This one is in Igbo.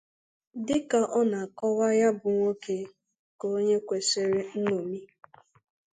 Dịka ọ na-akọwa ya bụ nwoke ka onye kwesiri nñomi